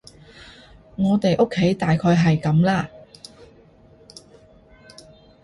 我哋屋企大概係噉啦